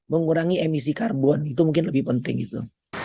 mengurangi emisi karbon itu mungkin lebih penting itu